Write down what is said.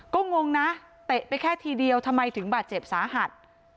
ก็งงนะเตะไปแค่ทีเดียวทำไมถึงบาดเจ็บสาหัส